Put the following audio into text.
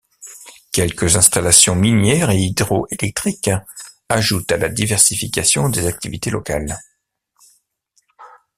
Quelques installations minières et hydroélectriques ajoutent à la diversification des activités locales.